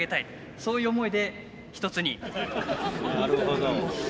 そういう思いで一つに。